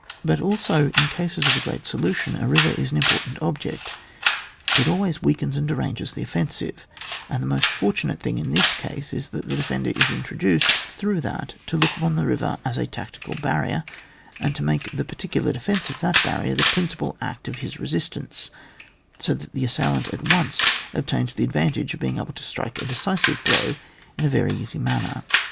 But also in cases of a great solution, a river is an important object ; it always weakens and deranges the offensive; and the most fortunate thing, in tbis case is, if the defender is induced through that to look upon the river as a tactical barrier, and to make the particular defence of that barrier the principal act of his re sistance, so that the assailant at once ob tains the advantage of being able to strike a decisive blow in a very easy manner.